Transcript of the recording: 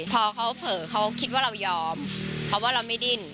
พอเขาเผลอเขาคิดว่าเรายอมเพราะว่าเราไม่ดิ้น